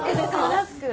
ラスク。